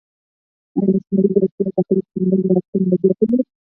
ایا مصنوعي ځیرکتیا د خلکو ترمنځ واټن نه زیاتوي؟